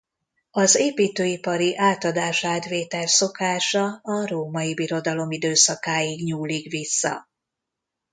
Az építőipari átadás-átvétel szokása a Római Birodalom időszakáig nyúlik vissza.